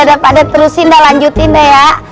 ya udah pak d terusin dah lanjutin deh ya